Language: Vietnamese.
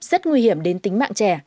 rất nguy hiểm đến tính mạng trẻ